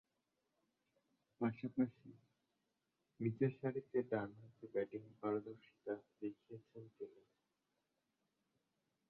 পাশাপাশি, নিচেরসারিতে ডানহাতে ব্যাটিংয়ে পারদর্শিতা দেখিয়েছেন তিনি।